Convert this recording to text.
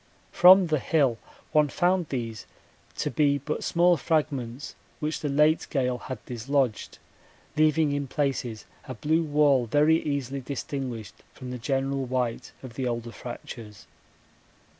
From the hill one found these to be but small fragments which the late gale had dislodged, leaving in places a blue wall very easily distinguished from the general white of the older fractures.